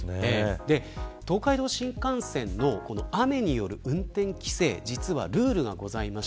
東海道新幹線の雨による運転規制には実はルールがあります。